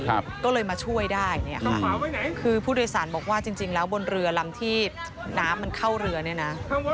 คือผู้โดยสารบอกว่าจริงแล้วบนเรือลำที่น้ำมันเข้าเรือเนี่ยนะ